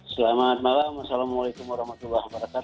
selamat malam assalamualaikum wr wb